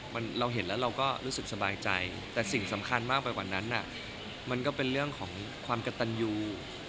มันเราเห็นแล้วเราก็รู้สึกสบายใจแต่สิ่งสำคัญมากไปกว่านั้นมันก็เป็นเรื่องของความกระตันยู